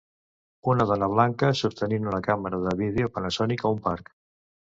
Una dona blanca sostenint una càmera de vídeo Panasonic a un parc.